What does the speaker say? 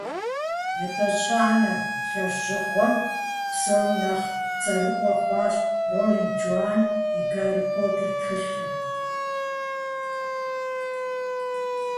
Етӏощӏанэ лӏэщӏыгъуэм псом нэхъ цӏэрыӏуэ хъуащ Ролинг Джоан и «Гарри Поттер» тхылъыр.